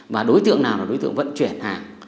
và đối tượng nào là đối tượng vận chuyển hàng